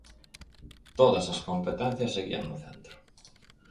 Todas as competencias seguían no centro.